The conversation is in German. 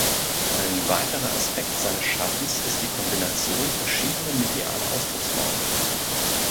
Ein weiterer Aspekt seines Schaffens ist die Kombination verschiedener medialer Ausdrucksformen.